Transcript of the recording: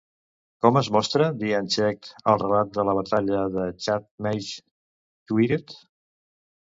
Com es mostra Dian Cecht al relat de la Batalla de Cath Maige Tuired?